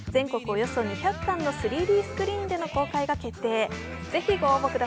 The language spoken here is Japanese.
およそ２００館の３Ｄスクリーンでの公開が決定。